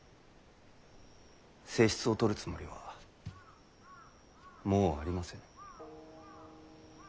正室をとるつもりはもうありません。